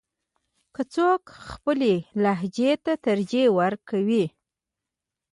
که څوک خپلې لهجې ته ترجیح ورکوي.